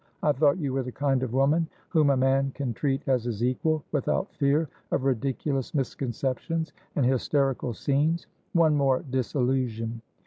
I thought you were the kind of woman whom a man can treat as his equal, without fear of ridiculous misconceptions and hysterical scenes. One more disillusion!"